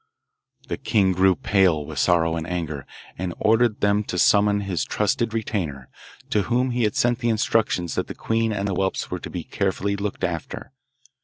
The king grew pale with sorrow and anger, and ordered them to summon his trusted retainer, to whom he had sent the instructions that the queen and the whelps were to be carefully looked after.